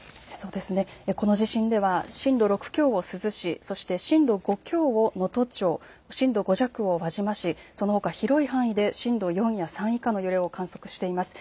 この地震では震度６強を珠洲市、震度５強を能登町、震度５弱を輪島市、そのほか広い範囲で震度４や３以下の揺れを観測しています。